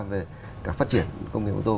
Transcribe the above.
về cả phát triển công nghiệp ô tô